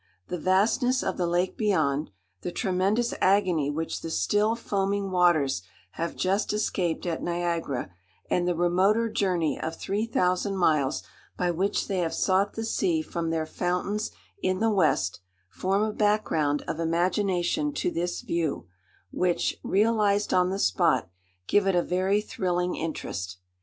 The vastness of the lake beyond, the tremendous agony which the still foaming waters have just escaped at Niagara, and the remoter journey of three thousand miles by which they have sought the sea from their fountains in the west, form a back ground of imagination to this view, which, realised on the spot, give it a very thrilling interest.